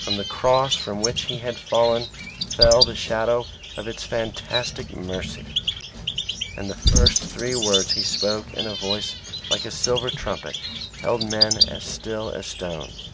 From the Cross from which he had fallen fell the shadow of its fantastic mercy; and the first three words he spoke in a voice like a silver trumpet, held men as still as stones.